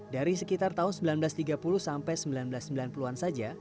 dari sekitar tahun seribu sembilan ratus tiga puluh sampai seribu sembilan ratus sembilan puluh an saja